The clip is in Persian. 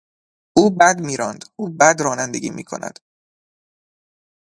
او بد میراند، او بد رانندگی میکند.